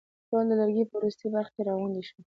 ټول د لرګي په وروستۍ برخه کې راغونډ شول.